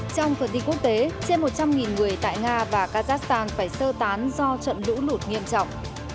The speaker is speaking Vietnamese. trong phần đi quốc tế trên một trăm linh người tại nga và kazakhstan phải sơ tán do trận lũ lụt nghiêm trọng